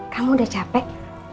kamu udah capek